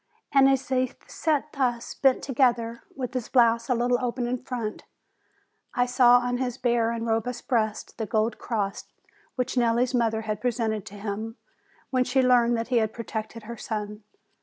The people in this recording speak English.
And as he sat thus bent together, with his blouse a little open in front, I saw on his bare and robust breast the gold cross which Nelli's mother had presented to him, when she learned that he had pro tected her son.